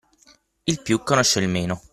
Il più conosce il meno.